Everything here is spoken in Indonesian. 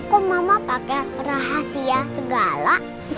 kok mama pakai rahasia segala